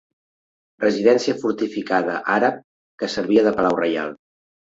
Residència fortificada àrab que servia de palau reial.